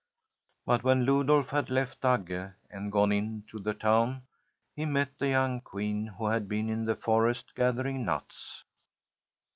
But when Lodulf had left Agge and gone into the town, he met the young Queen, who had been in the forest gathering nuts.